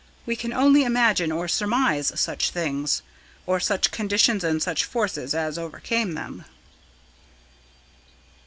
We can only imagine or surmise such things or such conditions and such forces as overcame them."